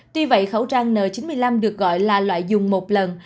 tuy vậy khẩu trang n chín mươi năm được gọi là loại dùng một lần